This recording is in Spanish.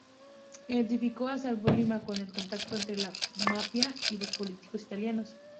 Identificó a Salvo Lima como el contacto entre la mafia y los políticos italianos.